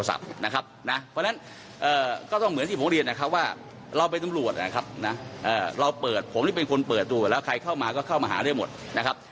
เราเปิดผมนี่เป็นคนเปิดดูแล้วใครเข้ามาก็เข้ามาหาด้วยหมดนะครับ